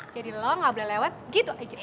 jadi lo gak boleh lewat gitu aja